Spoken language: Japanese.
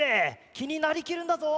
きになりきるんだぞ。